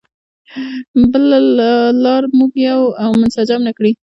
بله لار موږ یو او منسجم نه کړي.